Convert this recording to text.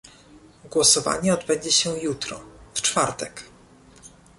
Głosowanie odbędzie się jutro - w czwartek